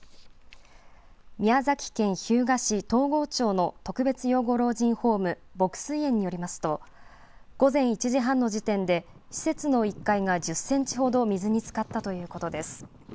宮崎県日向市東郷町の特別養護老人ホーム牧水園によりますと、午前１時半の時点で施設の１階が１０センチほど水につかったということです。